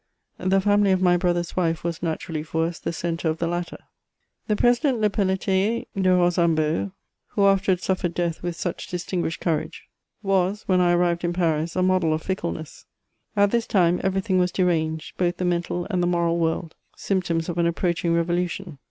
The family of my brother's wife was naturally for us the centre of the latter. The President Le Pelletier de Rosambo, who afterwards suf fered death with such distinguished courage, was, when I ar rived in Paris, a model of fickleness. At this time every thing was deranged, both the mental and the moral world, — symptoms of an approaching revolution.